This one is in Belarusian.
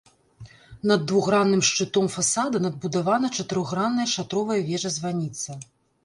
Над двухгранным шчытом фасада надбудавана чатырохгранная шатровая вежа-званіца.